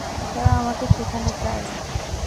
তারা আমাকে সেখানে চায়।